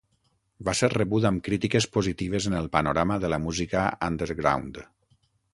Va ser rebut amb crítiques positives en el panorama de la música underground.